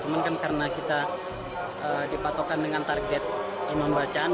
cuma kan karena kita dipatokan dengan target imam bacaan